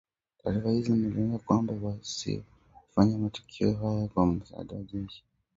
Taarifa hizi zilieleza kwamba Waasi hao walifanya matukio haya kwa msaada wa jeshi la Rwanda